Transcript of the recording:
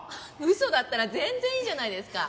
ウソだったら全然いいじゃないですか。